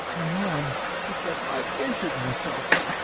"My arm," he said. "I've injured myself."